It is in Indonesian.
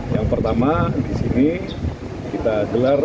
yang pertama di sini kita gelar